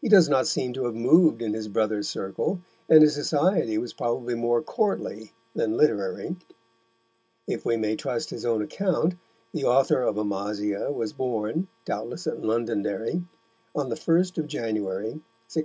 He does not seem to have moved in his brother's circle, and his society was probably more courtly than literary. If we may trust his own account the author of Amasia was born, doubtless at Londonderry, on the 1st of January, 1675.